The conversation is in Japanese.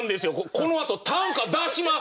このあと短歌出しまっせ！